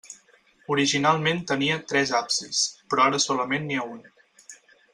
Originalment tenia tres absis, però ara solament n'hi ha un.